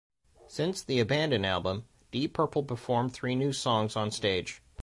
Since the "Abandon" album, Deep Purple performed three new songs onstage.